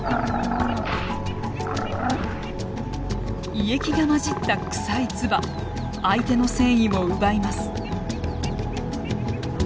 胃液が混じった臭い唾相手の戦意を奪います。